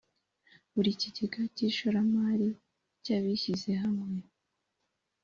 Buri kigega cy ishoramari cy abishyizehamwe